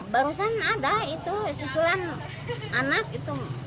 barusan ada itu susulan anak itu